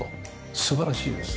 素晴らしいです。